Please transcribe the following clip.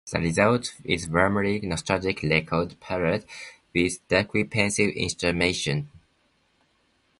The result is a warmly nostalgic record padded with darkly pensive instrumentation.